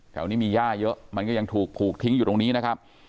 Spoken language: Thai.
แถวนี้มีย่าเยอะมันก็ยังถูกผูกทิ้งอยู่ตรงนี้นะครับ